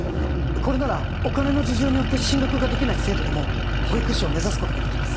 これならお金の事情によって進学ができない生徒でも保育士を目指すことができます。